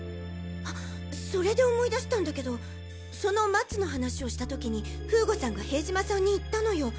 あそれで思い出したんだけどその松の話をした時に風悟さんが塀島さんに言ったのよ。